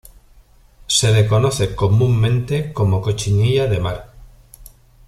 Se le conoce comúnmente como cochinilla de mar.